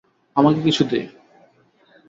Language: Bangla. আমাকে কিছু দে।